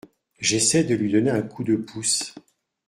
J’essaie de lui donner un coup de pouce.